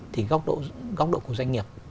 thì góc độ của doanh nghiệp